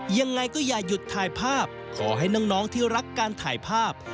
ยังไงก็อย่าหยุดถ่ายภาพขอให้น้องที่รักการถ่ายภาพ